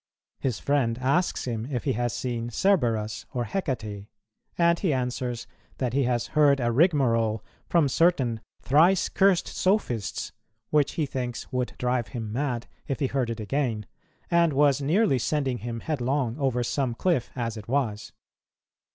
His friend asks him if he has seen Cerberus or Hecate; and he answers that he has heard a rigmarole from certain "thrice cursed sophists;" which he thinks would drive him mad, if he heard it again, and was nearly sending him headlong over some cliff as it was.